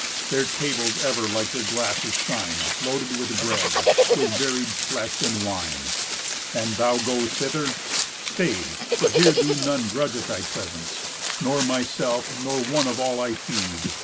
Their tables ever like their glasses shine, Loaded with bread, with varied flesh, and wine. And thou go thither? Stay, for here do none Grudge at thy presence, nor myself, nor one Of all I feed.